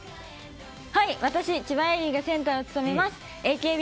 私、千葉恵里がセンターを務めます